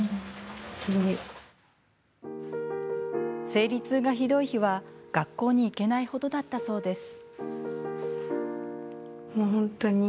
生理痛がひどい日は、学校に行けないほどだったそうです。